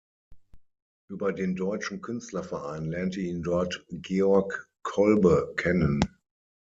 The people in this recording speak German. Über den Deutschen Künstlerverein lernte ihn dort Georg Kolbe kennen.